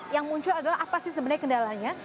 yang muncul adalah apa sih sebenarnya kendalanya